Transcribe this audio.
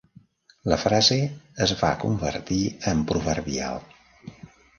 La frase es va convertir en proverbial.